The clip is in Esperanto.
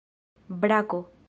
brako